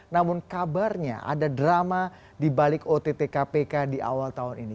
namun kabarnya ada drama di balik ott kpk di awal tahun ini